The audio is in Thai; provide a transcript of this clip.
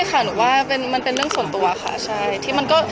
ไม่ค่ะหนูว่ามันเป็นเรื่องส่วนตัวค่ะ